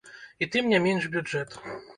І тым не менш бюджэт.